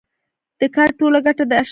د کار ټوله ګټه د اشرافو جېب ته تلله